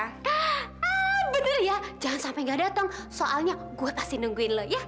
ah bener ya jangan sampai gak datang soalnya gue kasih nungguin lo ya